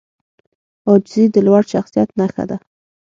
عاجزي د لوړ شخصیت نښه ده.